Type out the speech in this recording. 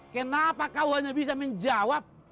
kenapa kau hanya bisa menjawab